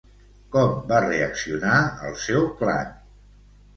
Com va reaccionar el seu clan?